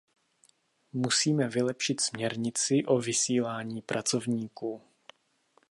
Musíme vylepšit směrnici o vysílání pracovníků.